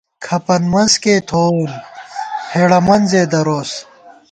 کھپن مَنز کېئ تھووون، ہېڑہ منزے دَروس